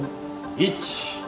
１２。